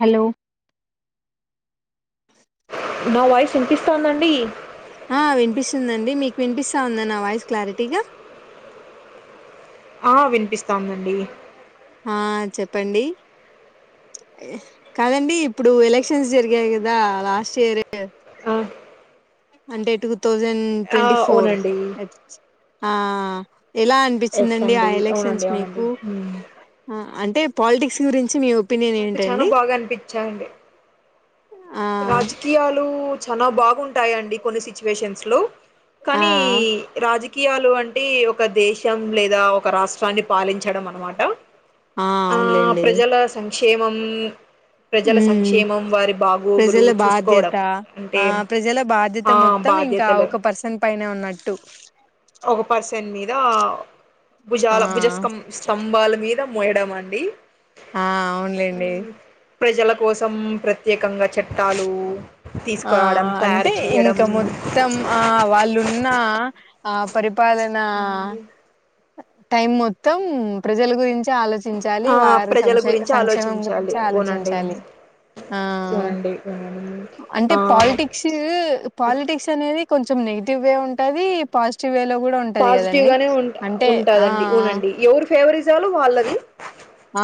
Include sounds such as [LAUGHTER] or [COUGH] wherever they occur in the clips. Hello నా voice ఎనిపిస్తాందండి ఆ వినిపిస్తుందండి మీకు వినిపిస్తా ఉందా నా వాయిస్ క్లారిటీగా ఆ వినిపిస్తాందండి ఆ చెప్పండి కాదండి ఇప్పుడు ఎలక్షన్స్ జరిగాయి కదా లాస్ట్ ఇయర్ ఆ, అంటే టూ థౌజండ్ ఆ, ట్వంటీ ఫోర్ అవునండి ఆ ఎలా ఎస్ అనిపించిందండి ఆ అండి అవునండి ఎలక్షన్స్ అవునండి మీకు మ్మ్. అంటే పాలిటిక్స్ గురించి మీ ఒపీనియన్ నాకు చాలా ఏంటండి బాగా అనిపించాండి ఆ రాజకీయాలు చాల బాగుంటాయంండి కొన్ని సిచ్యువేషన్స్ లో ఆ కానీ రాజి కియాలో అంటే ఒక దేశం లేదా ఒక రాష్ట్రాన్ని పాలించడం అనమాట ఆ అవునులేండి సంక్షేమం ప్రజల ఉమ్ సంక్షేమం వారి బాగు ప్రజల బాధ్యత ఆ ప్రజల బాధ్యత ఆ మొత్తం ఇంకా బాధ్యతలు ఒక పర్సన్ పైన ఉన్నట్టు ఒక పర్సన్ మీద ఆ భుజాల భుజ స్ం స్తంభాల మీద మోయడం అండి ఆ అవునులేండి ప్రజల కోసం ప్ర ప్రత్యేకంగా చట్టాలు ఆ తీసుకురావడం తయారు అంటే చేయడం ఇంకా మొత్తం ఆ వాళ్ళున్న ఆ పరి పాలన అవునండి టైం మొత్తం ప్రజల గురించి ఆలోచించాలి ఆ వారు ప్రజల సంక్షే గురించి సంక్షేమం ఆలోచించాలి గురించి అవునండి ఆలోచించాలి ఆ అవునండి అవునండి అంటే ఆ పాలిటిక్స్ పాలిటిక్స్ అనేది కొం కొంచెం నెగిటివ్ వే ఉంటుంది పాజిటివ్ వేలో పాజిటివ్ గానే ఉంట ఆ ఉంటాదండి ఉనండి ఎవరీ ఫేవరిజాలు వాళ్ళవి ఆ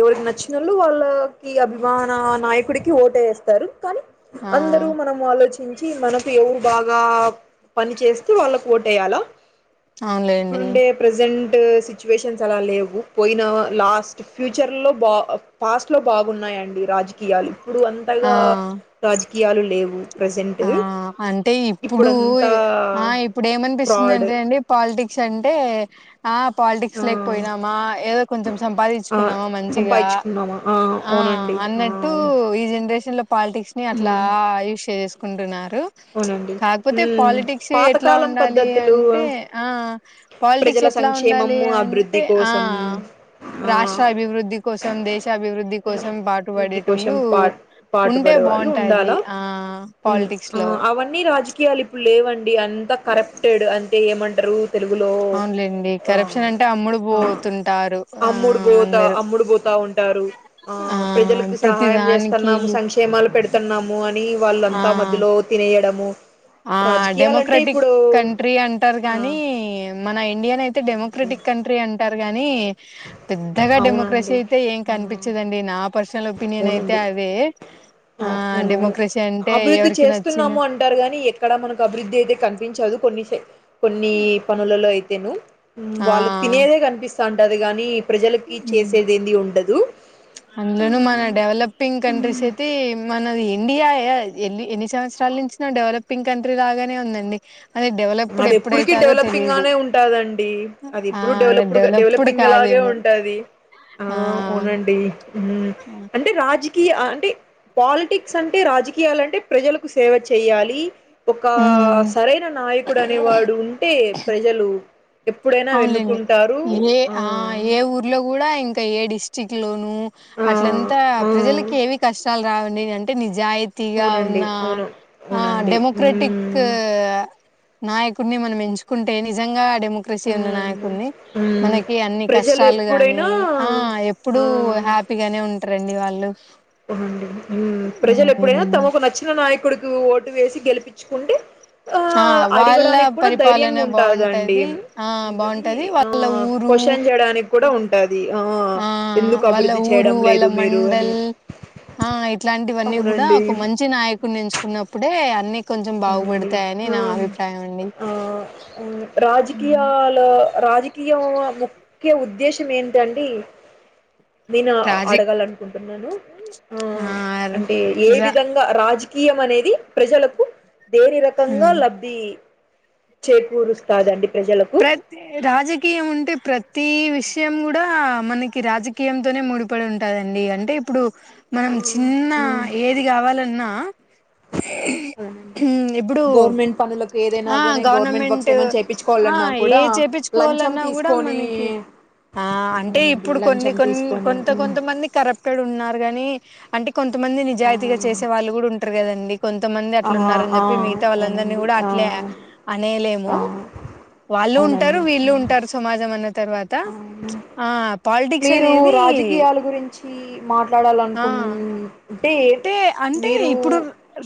ఎవరికి నచ్చినళ్ళు వాళ్ళకి అభిమాన నాయకుడికి ఓటు వేస్తారు కానీ ఆ అందరూ మనం ఆలోచించి మనకు ఎవరు బాగా పని చేస్త వాళ్ళకి ఓట్ వేయ్యాల అవునులేండి ఇప్పుడుండే ప్రజెంట్ సిచ్యువేషన్స్ అలా లేవు పోయిన లాస్ట్ ఫ్యూచర్ లో బా పాస్ట్ లో బాగున్నాయి రాజకీయాలు ఇప్పుడు ఆ అంతగా రాజకీయాలు లేవు ప్రజెంట్ ఆ అంటే ఇప్పుడు ఇప్పుడంతా ఆ ఇప్పుడు ఫ్రాడ్ ఏమనిపిస్తుందింటే అండి పాలిటిక్స్ అంటే ఆ పాలిటిక్స్ ఆ లేకపోయినామా ఏదో కొంచెం ఆ సంపాదించుకున్నామా మంచిగా సంపాదించుకున్నామా ఆ అవునండి ఆ అన్నట్టు ఈ జనరేషన్ లో పాలిటిక్స్ ని అట్లా అవును చేసేసుకుంటున్నారు అవునండి కాకపోతే ఉమ్ పాలిటిక్స్ ఎట్లా పాతకాలం ఉండాలి పద్ధతులు అంటే పాలిటీ ప్రజల ఎట్లా ఉండాలి సంక్షేమము అభివృద్ధి అంటే ఆ కోసం ఆ రాష్ట్ర అభివృద్ధి కోసం దేశ అభివృద్ధి కోసం పాటు వృద్ధి కోసం పడేటోళ్లు పా ఉంటే పాటుపడే వాళ్ళు బాగుంటాది ఉండాలా ఆ పాలిటిక్స్ లో అవన్నీ రాజకీయాలు ఇప్పుడు లేవండి అంతా కరప్టెడ్ అంటే ఏమంటారు తెలుగులో అవునులేండి ఆ కరప్షన్ అంటే అమ్ముడు పోతుంటారు ఆ అమ్ముడు పోతా అందరూ అమ్ముడు పోతా ఉంటారు ఆ ప్రజలకు ప్రతి సహాయం దానికి చేస్తున్నాము సంక్షేమాలు పెడుతున్నాము అని ఆ వాళ్ళంతా మధ్యలో తినేయడము ఆ రాజకీయాలంటే డెమోక్రటిక్ ఇప్పుడు కంట్రీ అంటారు ఆ కానీ మన ఇండియానే అండి. డెమోక్రటిక్ కంట్రీ అంటారు గాని పెద్దగా డెమోక్రసీ అవునండి అయితే ఏం హ్మ్. కనిపించదండి నా పర్స అసల్ ఒపీనియన్ అయితే అవునండి అదే ఆ డెమోక్రసీ అంటే అభివృద్ధి ఎవరికి నచ్చింది చేస్తున్నాము అంటారు గాని ఎక్కడ మనకు అభివృద్ధి అయితే కనిపించదు కొన్ని కొన్ని పనులలో అయితేను ఆ వాళ్ళు తినేదే కనిపిస్తా ఉంటది గాని ప్రజలకి చేసేదేంది ఉండదు అందులోను మన డెవలపింగ్ కంట్రీస్ అయితే మనది ఇండియా ఎ ఎన్ని సంవత్సరాల నుంచిన్న డెవలపింగ్ కంట్రీ లాగానే ఉందండి అది డెవలప్డ్ అది ఎప్పుడుకి ఎప్పుడైతదో డెవలపింగ్ తెలియదు గానే ఉంటదండి అది ఆ ఎప్పుడు అది డెవలపుడు డెవలప్డ్ డెవలపింగ్ లాగే కాదేమో ఉంట ఆ అవునండి అంటే రాజీ అంటే పాలిటిక్స్ అంటే రాజకీయాలంటే ప్రజలకు సేవ చెయ్యాలి. ఒక ఉమ్ సరైన నాయకుడు అనేవాడు ఉంటే ప్రజలు ఎప్పుడైనా అవునలేండి వెన్నుకుంటారు ఏ ఆ ఏ ఊర్లో కూడా ఈ ఇంకా ఏ డిస్టిక్ట్ లోను ఆ అట్లంతా ఆ ప్రజలకి ఏవి కష్టాలు రావడి అంటే నిజ జాయితీగా అవునండి ఉన్న అవును ఆ అవునండి డెమొక్రెటిక్ మ్మ్ నాయకుడిని మనం ఎంచుకుంటే నిజంగా డెమో క్రషి ఉన్న అవునండి నాయకున్ని మ్మ్ మనకి అన్ని ప్రజలు కష్టాలు గాని ఎప్పుడైనా ఆ ఎప్పుడు హ్యా హ్యాపీగానే ఉంటారండి వాళ్ళు అండి ప్రజలు ఎప్పుడైనా హ్మ్. తమకు నచ్చిన నాయకుడి నువ్ ఓటు వేసి గెలిపించుకుంటే ఆ వాళ్ళ అడగడానికి కూడా పరిపాలన ధైర్యంగా ఉంటదండి. బాగుంటది ఆ ఉంటది బాగుంటది ఆ వాళ్ళ ఊరు క్వశ్చ షన్ చేయడానికి కూడా ఉంటది. ఆ ఎందుకు వాళ్ళ అభివృద్ధి ఊరు చేయడం వాళ్ళ లేదు మీరు అని మండల్ ఆ ఇట్లాంటివన్నీ కూడా అవునండి. ఒక మంచి నాయకుడ్ని ఎంచుకున్నప్పుడే అన్ని కొంచెం అవునండి. బావుబాడ్తాయని నా అభిప్రాయం అండి. ఉ రాజకీయలో రాజకీయవ్ ఆమో కే ఉద్దేశం ఏంటండి. నీనా ఆ రాజి అడగాలనుకుంటున్నాను. ఆ అంటే ఏ రా విధంగా రాజ్ కీయం అనేది ప్రజలకు దేరి రకంగా ఉమ్ లబ్ధి. చేకూరుస్తాదండి. ప్రజలకు ప్రతే రాజకీయం ఉంటేం ప్రతి విషయం కూడా మనకి రాజకీయంతోనే ముడిపడి ఉంటాదండి. అంటే ఇప్పుడు మనం ఆ చిన్న ఏది గావాలన్నా ఆ అవునండి గవర్నమెంట్ పనులకు ఏదైనా ఆ గానీ గవర్నమెంట్ వర్క్స్ గవర్నమెంటు ఏమైనా ఆ చేపించుకోవాలన్నా ఏ కూడా లంచం చేపించుకోవాలన్నా కూడా తీసుకొని మనకి ఆ అంటే అవునండి ఇప్పుడు కొన్ని లంచం కొన్ని, తీసుకొని కొంత ఉమ్, కొంత మంది కరెప్టడ్ ఉన్నారు గానీ అంటే కొంతమంది నిజాయితీగా చేసే వాళ్ళు కూడా ఉంట్రు కదండి. కొంతమంది అట్లు అవునండి ఆ ఉన్నారని ఆ జేప్పి, మిగతా వాళ్ళందరినీ అవునండి కూడా ఆ అట్లే అనేయలేము. ఆ వాళ్ళు ఉంటారు, అవునండి వీళ్ళు ఉంటారు. సమాజం అన్న తర్వాత అవును ఆ పాలిటిక్స్ మీరు అనేది. రాజకీయాల గురించి ఆ మాట్లాడాలనుకుంన్ టే అంటే అంటే మీరు ఇప్పుడు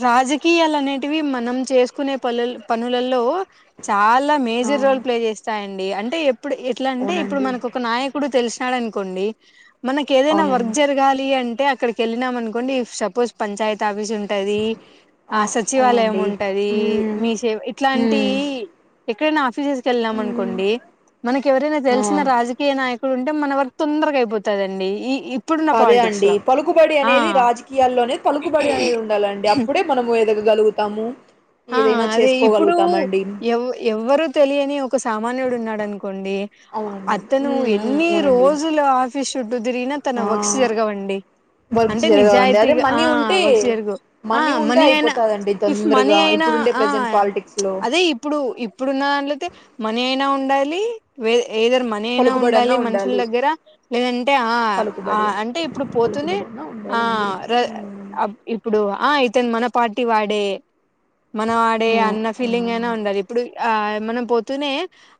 రాజకీయాలు అనేటివి మనం చేసుకునే పలాల్ పనులలో చాలా మేజ్ ఆ డి అంటే ఎప్పుడు, ఎట్లా అంటే ఇప్పుడు, అవునండి మనకు ఒక నాయకుడు తెలిసినాడు అనుకోండి. మనకి ఏదైనా వర్క్ అవునండి జరగాలి అంటే అక్కడికి ఏళ్ళినామ్ అనుకోండి. ఈఫ్ సపోజ్ పంచాయతీ ఆవ్ వీస్ ఉంటంది. ఆ సచివాలయం ఉంటది. మ్మ్ మీషేవ్ ఇట్లాంటి మ్మ్ ఎక్కడైనా ఆఫీసెస్కి ఏళ్లినం మ్మ్ అనుకోండి. మనకు ఎవరైనా ఆ తెలిసిన రాజకీయ నాయక్ ఇప్పుడుంటే మన వరకు తొందరగా అయిపోతుందిండి. ఈ ఇప్ అదే అండి. పలుకుబడి అనేది రాజకీయాల్లోనే పలుకుబడి అనేది ఉండాలండి. అప్పుడే మనము ఎదగాగ్ గలుగుతాము. ఆ అదే ఇప్పుడు ఎవ్ ఎవరు తెలియని ఒక సామాన్యుడు ఉన్నాడన్ కోండి. అవునండి అతను మ్మ్ మ్మ్ ఎన్ని అవునండి రోజులు ఆఫీ షూడ్ తుదిరిగినా తన వర్క్స్ ఆ జరగవండి. వర్క్ అంటే జరగవండి అదే నిజాయితీగా ఆ మనీ ఉంటే వర్క్స్ జరుగవ్ ఆ ఉంటే మనీ అయినా, అయిపోతదండి ఇఫ్ మనీ తొందరగా అయినా ఇప్పుడుండే ఆ ప్రజెంట్ ఆయా పాలిటిక్స్ లో అదే ఇప్పుడు, ఇప్పుడునాధట్లయితే మనీ అయ్ ఇట్నే ఉండాలి. వేదే ఏదర్ మనీ అయినా పలుకుబడి ఉండాలి. అన్నా మనుషుల దగ్గర లేదంటే ఆ ఆ పలుకుబడి అంటే ఇప్పుడు పోతుది. పలుకుబడి అన్నా ఆ ఉండాలండి ర్ద అప్ ఇప్పుడు ఆ ఐతన్. మన పార్టీ వాడే, మన వాడే మ్మ్ అన్న ఫీలింగ్ అయినా ఉండాలి. ఇప్పుడు ఆ మనం పోతూనే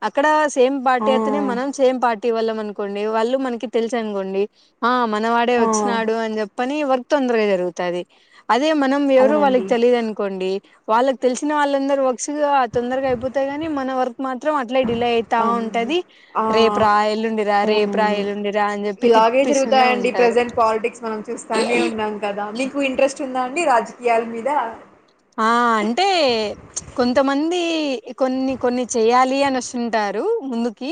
అక్కడ సేమ్ ఆ! పార్టీ అతేనే మనం సేమ్ పార్ట్ టీవాళ్ళమ్ అనుకోండి. వాళ్ళు మనకి తెలుసు అనుకోండి. ఆ మనవాడే అవునండి ఆ ఆ వచ్చినాడు అని జేప్పని ఎవర్క్ తొందరగా జరుగుతాది. అదే మనం ఎవరో అవునండి వాళ్ళకి తెలియద్ అనుకోండి. వాళ్ళకి తెలిసిన వాళ్ళందరు వర్క్స్గా తొందరగా అయిపోతాయ్ గానీ మన వర్క్ మాత్రం ట్లే డిలే అయితా అవునండి ఉంటది. ఆ రేపు రా, ఎల్లుండి రా, రేపు రా, ఎల్లుండి రా, అని జేప్పి తిప్పిస్తా కాయండి. ప్రజెంట్ పాలిటిక్స్ మనం చూస్తానే ఉన్నాం కదా. మీకు ఇంట్రెస్ట్ ఉందాడ్ నీ రాజకీయాల మీద ఆ అంటే కొంతమంది కొన్ని కొన్ని చేయాలి, అని వసుంటారు ముందుకి.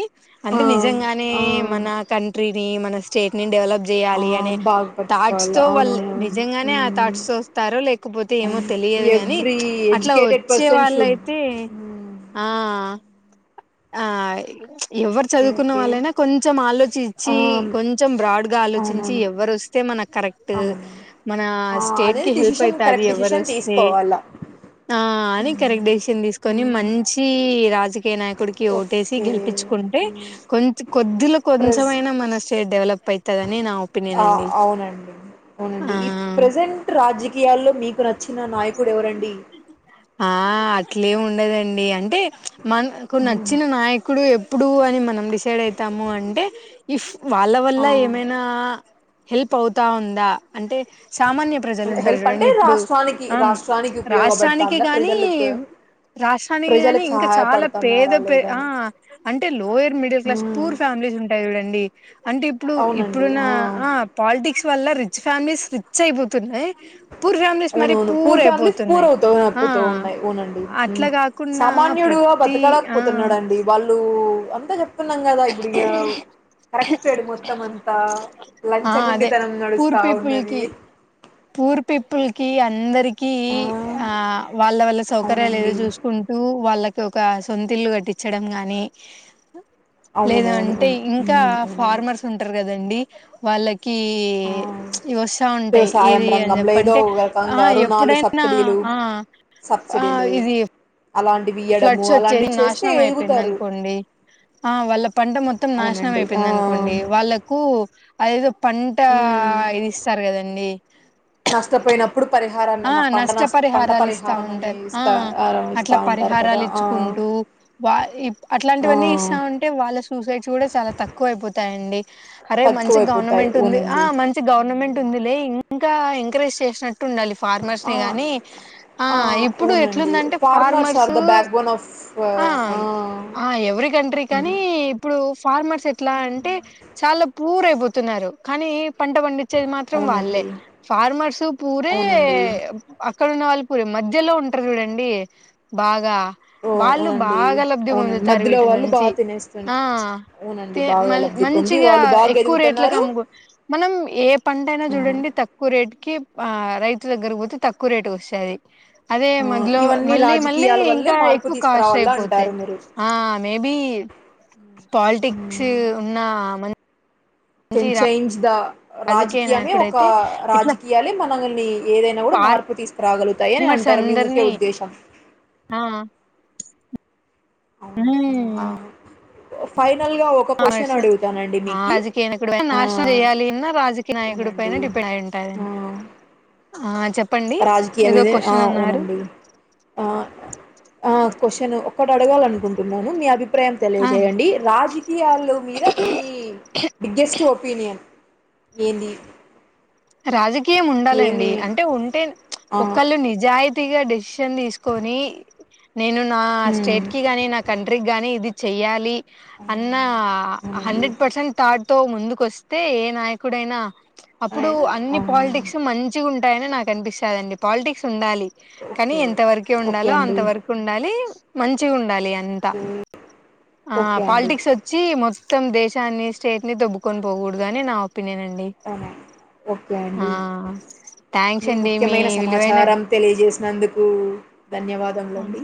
ఆ అంటే నిజంగానే ఆ మన కంట్రీని, మన స్టేట్ ని డెవలప్ ఆ జేయాలి అనే థాట్స్ బాగుపరుచుకోవాలి తో వాళ్ళు అవునవునవును నిజంగానే ఆ మ్మ్ థాట్స్ తో వస్తారో లేకపోతే ఏమో అవును తెలి యాద్ గాని ఎవ్రీ అట్లా ఎడ్యుకేటెడ్ వచ్చే పర్సన్ షుడ్ వాళ్ళైతే మ్మ్ ఆ ఆ ఆ ఇగా ఎవరు ఓకే చదువుకున్న ఓకే వాళ్ళైనా కొంచెం ఆ ఆలోచించి కొంచెం బ్రాడ్గా ఆలోచించి అవునవును ఎవరు వస్తే మనక్ కరెక్ట్ అవును మన ఆ స్టేట్ అదే కి హెల్ప్ డిసిషన్ అవుతది కరెక్ట్ ఎవరు డిసిషన్ వస్తే తీసుకోవాల ఆ అని కరెక్ట్ డెసిషన్ తీసుకొని మ్మ్ మంచి రాజకీయ నాయకు డికి ఓటేసి ఓకే గెలిపించుకుంటే మ్మ్ కొ కొద్దిలో ప్రస్ కొంచెమైనా మన స్టేట్ డెవలప్ అవుత అని నా ఒపీనియన్ ఆ అండి అవునండి అవునండి ఆ ఈ ప్రజెంట్ రాజకీయాల్లో మీకు నచ్చిన నాయకుడు ఎవరండి ఆ అట్లేమి ఉండదండి అంటే మనకు మ్మ్ నచ్చిన నాయ కుడు ఎప్పుడు అని మనం డిసైడ్ అవుతాము అంటే ఇఫ్ వాళ్ళ వల్ల ఆ ఏమైనా హెల్ప్ అవుతా ఉందా అంటే సామాన్య ప్రజలు ఉంటారు హెల్ప్ అంటే చూడండి ఇప్పుడు రాష్ట్రానికి ఆ రాష్ట్రానికి రాష్ట్రానికి ఉపయోగపడుతాందా కానీ ప్రజలకు రాష్ట్రానికి గానీ ప్రజలకు ఇంకా చాలా పేద సహాయపడుతున్నారా పే ఆ లేదని అంటే lower middle class um poor families ఉంటాయి చూడండి అంటే ఇప్పుడు ఇప్పుడున్న ఆ పాలిటిక్స్ వల్ల రిచ్ ఫ్యామిలీస్ రిచ్ అయిపోతున్నాయ్ అవునువును పూర్ ఫ్యామిలీస్ పూర్ అయిపోతున్నాయి అవుత్ ఆ తున్నాయ్ అవునండి అట్లా కాకుండా సామాన్యుడుగా ప్రతి బతుకాలేక ఆ పోతున్నాడండి వాళ్ళు ఊ అంతా చెప్తున్నాం కదా ఇప్పుడి ఇగ కరెక్ట్ేడు మొత్తం అంతా ఆ అదే లంచగొండితనం పూర్ నడుస్తా పీపుల్ ఉన్నది కి పూర్ పిపుల్ కి అందరికి ఆ ఆ వాళ్ళ వల్ల సౌకర్యాలు ఏదో అవునండి చూసుకుంటూ వాళ్ళ కు ఒక సొంతిల్లు కట్టించడం గాని లేదు అవునవును అంటే అవును ఇంకా ఉమ్ అవునండి ఫార్మర్స్ ఉంటారు కదా దండి వాళ్ళకి ఆ ఈ వస్త ఉంటాయ్ వ్యవసాయం ఏది అని రంగంలో ఏదో చెప్పంటే ఒక ఆ రకంగా రుణాలు ఎప్పుడైనా సబ్సిడీలు ఆ ఆ సబ్సిడీలు ఇది అలాంటివి ఇయ్యడము ఫ్లడ్స్ వచ్చేసి అలాంటివి చేస్తే నాశనం అయిపోయింది ఎదుగుతారు అనుకోండి ఆ వాళ్ళ పంట మొత్తం నాశనం అవునండి ఆ అయిపోయిందనుకోండి వాళ్ళలకు అదేదో పంట ఇది ఇస్తారు కదండి నష్టపోయిన ప్పుడు పరిహారాన్ని ఆ నా పంట నా పంట నష్టపరిహారాలు ఇస్తా పరిహారం అని ఉంటారు ఆ ఇస్తా అ ఇస్త ఉంటారు కదా ఆ టు వ ఇ ఆ అట్లాంటివన్నీ ఇస్తా ఉంటే వాళ్ళ సూసైడ్ కూడా చాలా తక్కువ అయిపోత్ తాయండి అరే మంచి తక్కువైపోతాయి గవర్నమెంట్ ఉంది ఆ అవునండి మంచి గవర్నమెంట్ ఉంది లే ఇం కా ఎంకరేజ్ చేసినట్టు ఉండాలి ఫార్మర్స్ ఆ ని గాని ఆ ఇప్పుడు అవునండి ఎట్లుందంటే are farmers the backbone of uh uh every country కానీ ఇప్పుడు ఫార్మర్స్ ఎట్లా అంటే చాలా పూరయిపోతున్నారు కానీ పంట పండించేది మాత్రం వాళ్ళే అవునండి ఫార్మర్స్ పూరే అవునండి అక్కడున్న వాళ్ళు పూరే మధ్యలో ఉంటారు చూడండి బాగా ఓ వాళ్ళు అవునండి బాగా లబ్ధి అవునండి పొందుతారు మధ్యలో వీటి వాళ్ళు నుంచి బాగా ఆ తినేస్తున్నారు అవునండి తె బాగా మన్ లబ్ధి పొంది మంచిగా వాళ్ళు బాగా ఎక్కువ రేట్లలకు ఎదుగుతున్నారు అమ్ముకో మనం ఏ పంట అయినా ఆ చూడండి తక్కువ రేటు కి ఆ రైతు దగ్గరికి పోతే తక్కువ రేటుకొస్తది అదే ఆ, మధ్యలో ఇవన్నీ మళ్ళీ మళ్ళీ రాజకీయాల వల్లే ఇంకా మార్పు ఎక్కువ కాస్ట్ తీసుకురావాల అయిపోతాయి అంటారు మీరు ఆ మేబి పాలిటిక్స్ ఉన్న మన్ కెన్ చేేంజ్ ద రాజకీయ రాజకీయమే ఒక నాయకుడయితే ఇట్లా రాజకీయాలే మనల్ని ఏదైనా కూడా మార్పు తీసుకురాగల్ దయని ఫార్మర్స్ అంటారు మీ ముఖ్య అందరినీ ఉద్దేశం ఆ హుం ఫైనల్ గా ఒక క్వశ్చన్ అడుగుతానండి మీకి ఆ జెయాలి రాజకీయ నాయకుడి పైన అవునండి డిపెండ్ అయి ఉంటాదండి ఆ ఆ చెప్ రాజకీయం మీదే ఆ అవునండి ఆ ఆ క్వశ్చన్ ఒక్కటి అడగాలనుకుంటున్నాను మీ అభి అభిప్రాయం ఆ తెలియజేయండి రాజకీయాల మీద మీ బిగ్గెస్ట్ ఒపీనియన్ ఏంది రాజకీయం ఏమి ఉండాలండి అంటే ఉంటే ఆ ఒకళ్ళు నిజాయితీ గట్టి గ డిసిషన్ తీసుకొని నేను నా స్టేట్ ఉమ్ కి గాని నా కంట్రీకి గాని ఇది చెయ్యాలి అన్న అవునండి అవునండి హండ్రెడ్ పర్సెంట్ థాట్ తో ముందుకు వస్తే ఏ నాయకుడైనా అప్పుడు ఆయన అన్ని ఆ పాలిటిక్స్ మంచి గుం టాయని నాకు అనిపిస్తాదండి పాలిటిక్స్ ఉండాలి కానీ ఓకే ఎంత వరకే ఓకే ఉండాలో అండి అంత వరకు ఉండాలి మంచిగా ఉండాలి అ అంత ఆ ఓకే అండి పాలిటిక్స్ వచ్చి మొ త్తం దేశాన్ని స్టేట్ ని దొబ్బుకొని పోకూడదని నా ఒపీనియన్ అండి అవునా ఓకే ఆ అండి థ్యాంక్స్ మీ అండి ముఖ్యమైన విలువైన సమాచారం తెలియజేసినందుకు ధన్యవాదములండి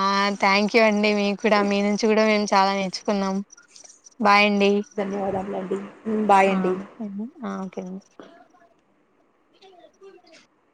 ఆ థ్యాంక్ యూ అండి మీ కూడా మీ నుంచి కూడా మేము చాలా నేర్చుకున్నాం బాయ్ అండి ధన్యవాదములండి హ్మ్. బాయ్ అండి ఓకే అండి [INAUDIBLE]